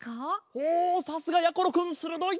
おさすがやころくんするどい！